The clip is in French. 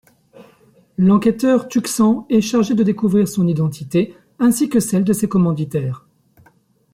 L'enquêteur Tuxan est chargé de découvrir son identité ainsi que celle de ses commanditaires.